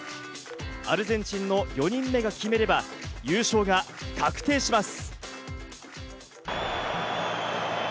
アルゼンチンの４人目が決めれば優勝が確定します。